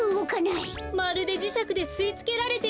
まるでじしゃくですいつけられているようです！